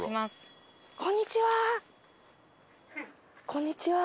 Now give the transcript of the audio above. こんにちは。